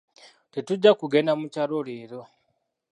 Tetujja kugenda mukyalo leero.